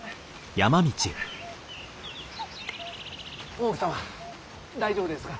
大奥様大丈夫ですか？